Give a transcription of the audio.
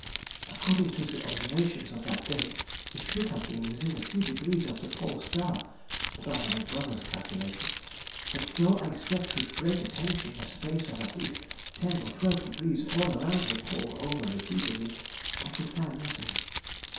According to the observations of that date, it should have been within a few degrees of the Pole star (by my brother's calculation), but though I swept with great attention a space of at least ten or twelve degrees all around the pole over repeatedly, I could find nothing.